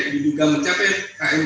diduga mencapai km empat puluh sembilan